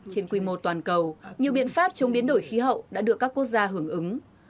trên quy mô toàn cầu nhiều biện pháp chống biến đổi khí hậu đã được các quốc gia hưởng ứng